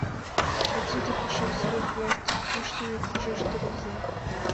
Те тиде пашам совет власть кӱштымӧ почеш тӧрлыза.